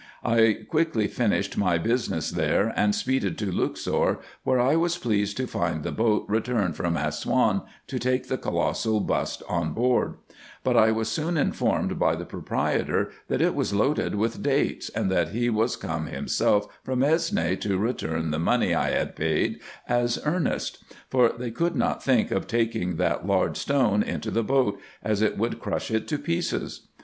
I quickly finished my business there, and speeded to Luxor, where 1 was pleased to find the boat returned from Assouan, to take the colossal bust on board : but I was soon informed by the proprietor, that it was loaded with dates, and that he was come himself from Esne, to return the money I had paid as earnest ; for they could not think of taking that large stone into the boat, as it would crush it to pieces.